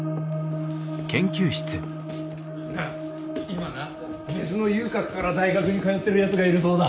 なあ今な根津の遊郭から大学に通ってるやつがいるそうだ！